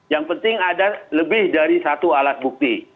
yang penting ada lebih dari satu alat bukti